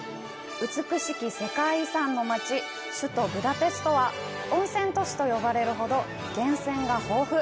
美しき世界遺産の街・首都ブダペストは温泉都市と呼ばれるほど源泉が豊富。